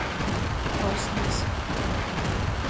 Posns.